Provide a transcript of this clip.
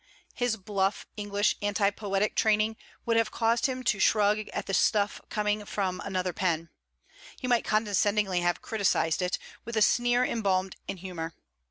His bluff English anti poetic training would have caused him to shrug at the stuff coming from another pen: he might condescendingly have criticized it, with a sneer embalmed in humour.